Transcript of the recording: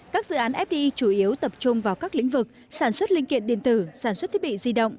các dự án fdi chủ yếu tập trung vào các lĩnh vực sản xuất linh kiện điện tử sản xuất thiết bị di động